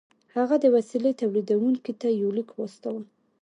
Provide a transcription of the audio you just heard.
هغه د وسيلې توليدوونکي ته يو ليک واستاوه.